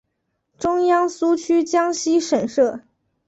中央苏区江西省设。